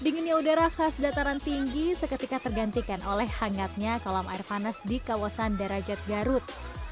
dinginnya udara khas dataran tinggi seketika tergantikan oleh hangatnya kolam air panas di kawasan darajat garut